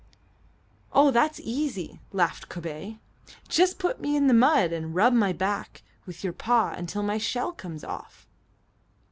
"Oh, that's easy," laughed Kobay; "just put me in the mud and rub my back with your paw until my shell comes off."